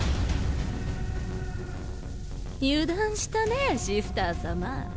油断したねぇシスター様。